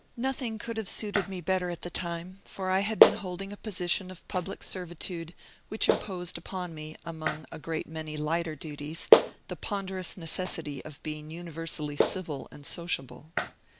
Nothing could have suited me better, at the time; for I had been holding a position of public servitude, which imposed upon me (among a great many lighter duties) the ponderous necessity of being universally civil and sociable.